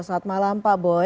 selamat malam pak boy